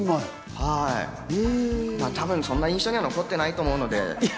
多分、そんな印象に残ってないと思うんで。